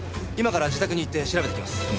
今から自宅に行って調べてきます。